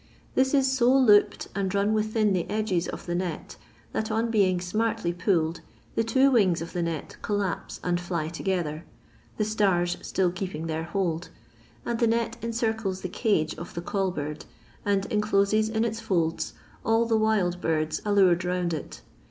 This is so looped and run within the edges of the net, that on being smartly pulled, the two wings of the net colUpse and fly together, the stars still keeping their hold, and the net encircles the cage of the (»ll bird, and incloses in its folds all the wild birds allured round it.